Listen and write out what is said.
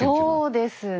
そうですねえ。